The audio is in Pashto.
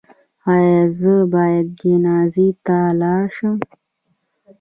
ایا زه باید جنازې ته لاړ شم؟